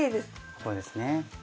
こうですね。